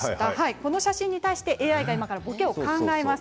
この写真に対してＡＩがぼけを考えます。